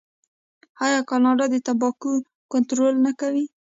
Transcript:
آیا کاناډا د تمباکو کنټرول نه کوي؟